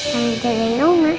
jangan jagain oma